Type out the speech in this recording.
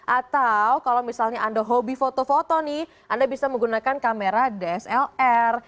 atau kalau misalnya anda hobi foto foto nih anda bisa menggunakan kamera dslr